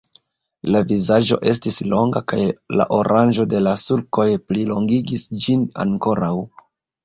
La vizaĝo estis longa, kaj la aranĝo de la sulkoj plilongigis ĝin ankoraŭ.